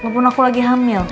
walaupun aku lagi hamil